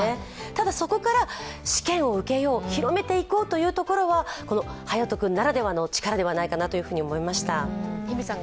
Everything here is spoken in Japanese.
ただ、そこから試験を受けよう、広めていこうというところはこの勇斗君ならではの力ではないかなと思いました。